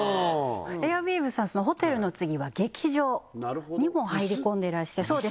エアウィーヴさんホテルの次は劇場にも入り込んでいらしていす？